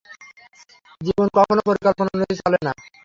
জীবন কখনও পরিকল্পনা অনুযায়ী চলে না।